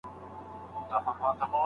د ژمنو پوره کول يې اصل و.